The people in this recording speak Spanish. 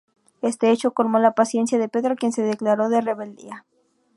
Este hecho colmó la paciencia de Pedro, quien se declaró en rebeldía.